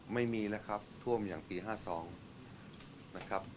ไม่มีแล้วครับท่วมอย่างปี๕๒นะครับ